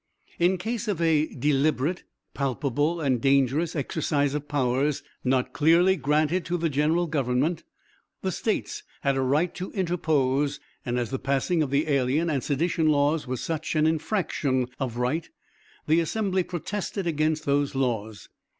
In case of a "deliberate, palpable, and dangerous" exercise of powers not clearly granted to the General Government, the States had a right to interpose; and as the passing of the alien and sedition laws was such an infraction of right, the assembly protested against those laws.